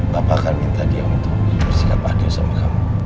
papa akan minta dia untuk bersilap adil sama kamu